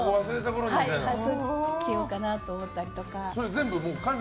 そうやって着ようかなと思ったりとか。